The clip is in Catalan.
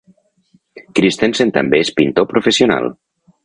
Christensen també és pintor professional.